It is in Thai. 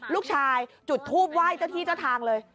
ลูกชายจุดทูปไหว้เจ้าที่เจ้าทางเลย